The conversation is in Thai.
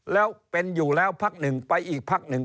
แล้วเป็นอยู่แล้วพักหนึ่งไปอีกพักหนึ่ง